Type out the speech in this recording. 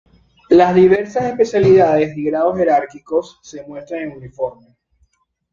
Las diversas especialidades y grados jerárquicos se muestran en el uniforme.